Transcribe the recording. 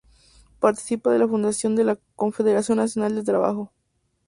Participa de la fundación de la Confederación Nacional del Trabajo.